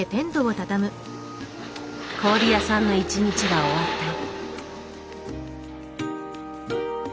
氷屋さんの一日が終わった。